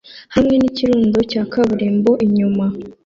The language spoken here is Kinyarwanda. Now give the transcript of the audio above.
hamwe nikirundo cya kaburimbo inyuma